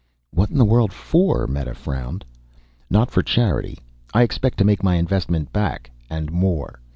"What in the world for?" Meta frowned. "Not for charity, I expect to make my investment back, and more.